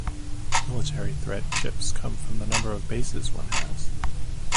Military Threat chips come from the number of Bases one has.